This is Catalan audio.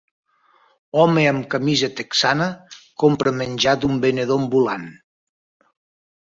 Home amb camisa texana compra menjar d'un venedor ambulant.